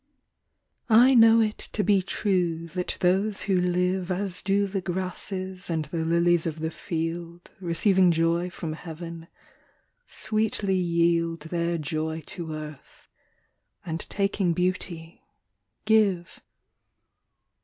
I KNOW it to be true that those who live As do the grasses and the lilies of the field Receiving joy from Heaven, sweetly yield Their joy to Earth, and taking Beauty, give.